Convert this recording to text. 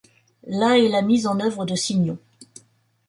La est la mise en œuvre de signaux.